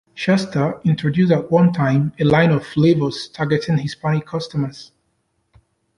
Shasta introduced at one time a line of flavors targeting Hispanic customers.